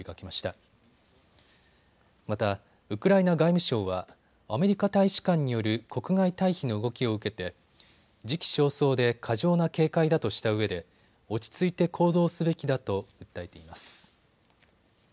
また、ウクライナ外務省はアメリカ大使館による国外退避の動きを受けて時期尚早で過剰な警戒だとしたうえで落ち着いて行動すべきだと訴えています。